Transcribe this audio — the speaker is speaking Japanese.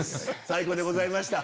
最高でございました。